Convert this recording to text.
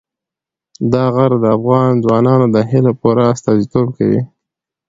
دا غر د افغان ځوانانو د هیلو پوره استازیتوب کوي.